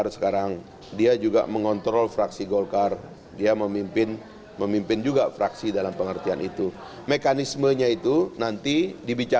pak nof mengatakan keinginan anggota golkar agar stiano vanto kembali menjadi ketua dpr sepenuhnya wawenang partai perlambang beringin itu